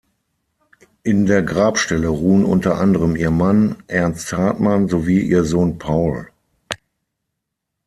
In der Grabstelle ruhen unter anderem ihr Mann, Ernst Hartmann, sowie ihr Sohn Paul.